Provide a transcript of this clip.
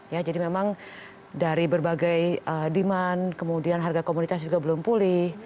ya jadi memang dari berbagai demand kemudian harga komunitas juga belum pulih